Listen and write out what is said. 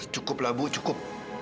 cukup lah bu cukup